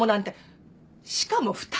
しかも２人よ。